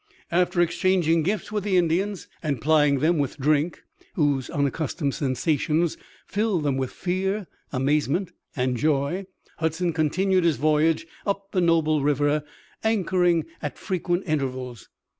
After exchanging gifts with the Indians and plying them with drink whose unaccustomed sensations filled them with fear, amazement and joy, Hudson continued his voyage up the noble river, anchoring at frequent intervals.